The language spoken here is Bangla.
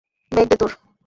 ব্যাগ দে তোর!